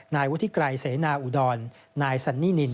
นายวุฒิไกรเสนาอุดรนายสันนี่นิน